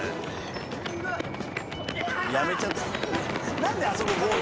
やめちゃってる。